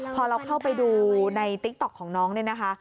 พอเราเข้าไปดูในติ๊กต๊อกของน้องเนี่ยนะคะ